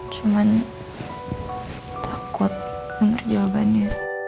cuman takut ngerjabannya